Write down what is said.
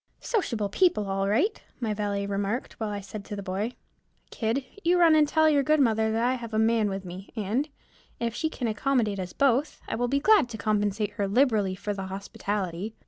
"Sociable people all right," my valet remarked, while I said to the boy, "Kid, you run and tell your good mother that I have a man with me, and, if she can accommodate us both, I will be glad to compensate her liberally for the hospitality."